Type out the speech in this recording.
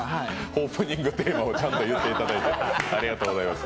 オープニングテーマをちゃんと言っていただいてありがとうございます。